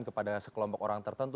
kepada sekelompok orang tertentu